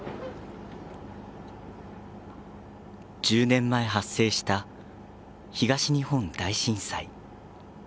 １０年前、発生した東日本大震災。